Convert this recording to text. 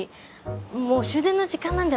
もう終電の時間なんじゃ？